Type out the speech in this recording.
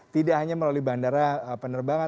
tidak hanya melalui bandara penerbangan